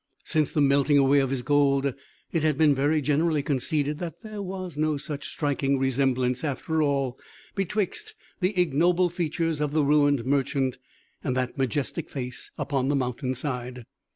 Since the melting away of his gold, it had been very generally conceded that there was no such striking resemblance, after all, betwixt the ignoble features of the ruined merchant and that majestic face upon the mountain side.